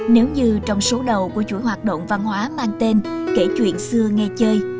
nếu như trong số đầu của chuỗi hoạt động văn hóa mang tên kể chuyện xưa nghe chơi